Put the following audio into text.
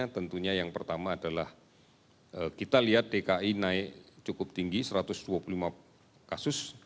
tentunya yang pertama adalah kita lihat dki naik cukup tinggi satu ratus dua puluh lima kasus